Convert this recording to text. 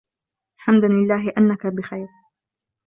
حمدًا لله أنّك بخير.